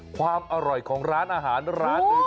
ความอร่อยของร้านอาหารร้านหนึ่ง